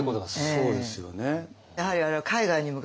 そうですね。